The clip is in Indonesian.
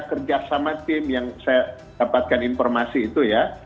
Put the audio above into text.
kerja sama tim yang saya dapatkan informasi itu ya